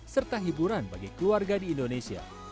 serta hiburan bagi keluarga di indonesia